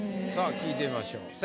さあ聞いてみましょう。